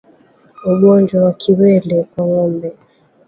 Ugonjwa wa kiwele kwa ngombe